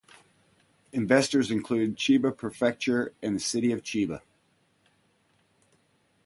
Investors include Chiba Prefecture and the city of Chiba.